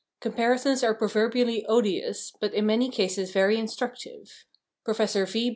Comparisons are proverbially odious, but in many cases very instructive. Professor V.